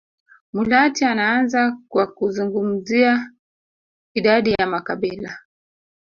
Mulatya anaanza kwa kuzungumzia idadi ya makabila